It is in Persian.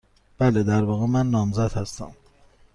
بله. در واقع، من نامزد هستم.